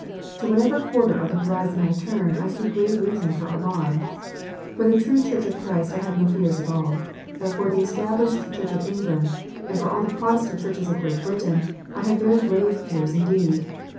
To what ever quarter of the horizon I turn, I see grave reason for alarm. For the true Church of Christ I have no fears at all. But for the Established Church of England, and for all the Protestant Churches of Great Britain, I have very grave fears indeed.